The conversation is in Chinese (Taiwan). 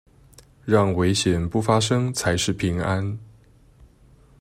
讓危險不發生才是平安